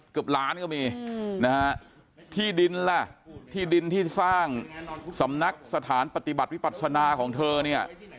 เกือบล้านก็มีนะฮะที่ดินล่ะที่ดินที่สร้างสำนักสถานปฏิบัติวิปัศนาของเธอเนี่ย